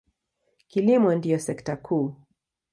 Kilimo ndiyo sekta kuu.